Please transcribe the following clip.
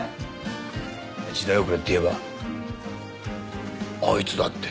時代遅れっていえばあいつだって。